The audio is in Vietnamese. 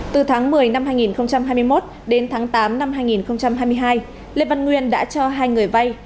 từ tháng một mươi năm hai nghìn hai mươi một đến tháng tám năm hai nghìn hai mươi hai lê văn nguyên đã cho hai người vay